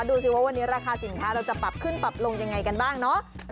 ดูสิว่าวันนี้ราคาสินค้าเราจะปรับขึ้นปรับลงยังไงกันบ้างเนาะ